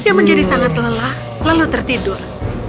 dia menjadi sangat lelah lalu tertidur